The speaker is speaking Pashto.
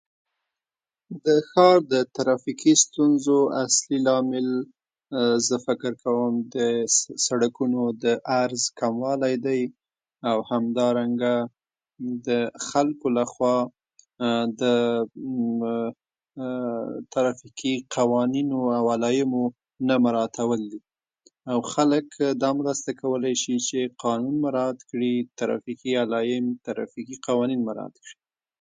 د ښار د ترافيکي ستونزو اصلي لامل ممم زه فکر کوم د سرکونو د عرض کمولای دی او همدارنګه د خلکو له خوا ممم د ترافيکي علايمو او قوانینو نه مراعتول دي او خلک دا مرسته کولای شي چې قانون مراعت کړي ترافيکي علایم ترافيکي قوانین مراعت کړي